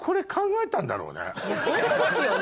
ホントですよね。